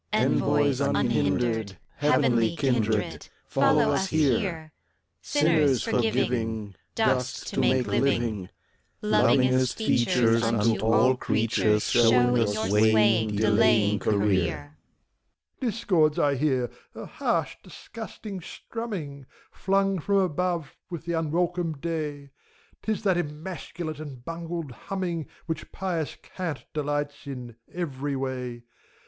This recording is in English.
Envoys, unhindered. Heavenly kindred. ACT F. 245 Follow us here! Sinners forgiving, Dust to make living! Lovingest features Unto all creatures Show in your swaying, Delaying career! MEPHISTOPHELES. Discords I hear, a harsh, disgusting strumming. Flung from above with the unwelcome Day; 'T is that emasculate and bungled humming Which Pious Cant delights in, every way.